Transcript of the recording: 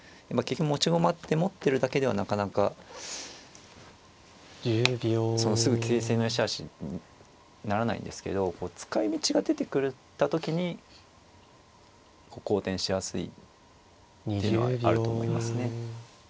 持ち駒って持ってるだけではなかなかすぐ形勢の善しあしにならないんですけど使いみちが出てきた時に好転しやすいっていうのはあると思いますね。